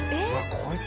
こいつ。